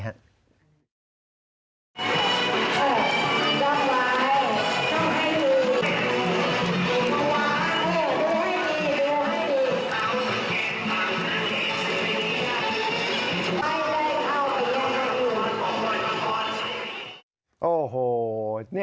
ไม่ได้เอาอีกแน่นี่